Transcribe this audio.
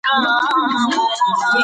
پېغلې غازیانو ته اوبه رسوي.